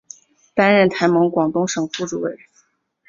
担任台盟广东省副主委。